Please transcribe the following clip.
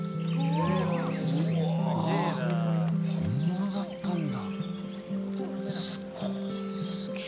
本物だったんだ。